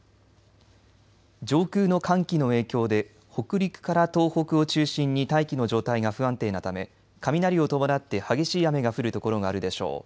上空の寒気の影響で北陸から東北を中心に大気の状態が不安定なため雷を伴って激しい雨が降る所があるでしょう。